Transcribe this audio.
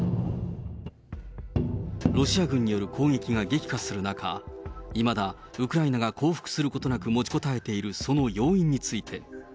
ロシア軍による攻撃が激化する中、いまだ、ウクライナが降伏することなく持ちこたえているその要因について。